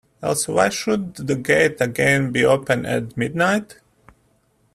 Else why should the gate again be open at midnight?